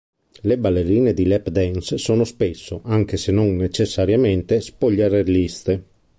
Le ballerine di lap dance sono spesso, anche se non necessariamente, spogliarelliste.